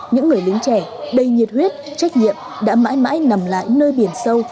những người lính trẻ đầy nhiệt huyết trách nhiệm đã mãi mãi nằm lại nơi biển sâu